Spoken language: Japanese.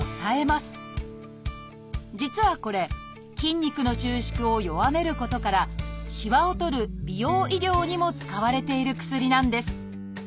実はこれ筋肉の収縮を弱めることからしわをとる美容医療にも使われている薬なんです